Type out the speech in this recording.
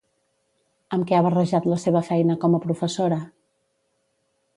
Amb què ha barrejat la seva feina com a professora?